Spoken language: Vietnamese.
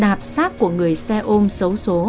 đạp xác của người xe ôm xấu xố